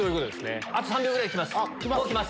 あと３秒ぐらいできます。